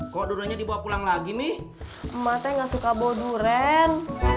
kok duranya dibawa pulang lagi nih emaknya enggak suka bawa durian